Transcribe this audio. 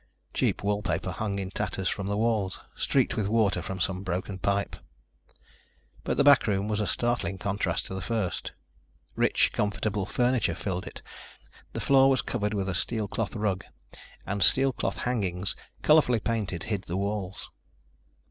Cheap wall paper hung in tatters from the walls, streaked with water from some broken pipe. But the back room was a startling contrast to the first. Rich, comfortable furniture filled it. The floor was covered with a steel cloth rug and steel cloth hangings, colorfully painted, hid the walls.